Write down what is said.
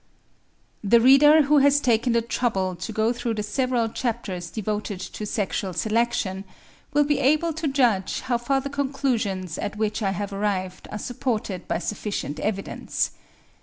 The reader who has taken the trouble to go through the several chapters devoted to sexual selection, will be able to judge how far the conclusions at which I have arrived are supported by sufficient evidence.